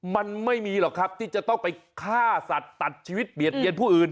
มันไม่มีหรอกครับที่จะต้องไปฆ่าสัตว์ตัดชีวิตเบียดเบียนผู้อื่น